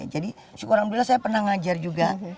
jadi syukur alhamdulillah saya pernah mengajar juga